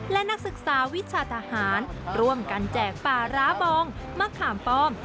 และนักศึกษาวิชาทหารร่วมกันแจกป่าร้าบองมะขามปลอม